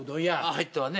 入ったわね。